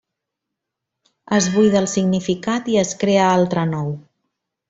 Es buida el significat i es crea altre nou.